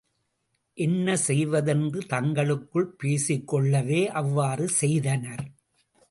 என்ன செய்வதென்று தங்களுக்குள் பேசிக் கொள்ளவே அவ்வாறு செய்தனர்.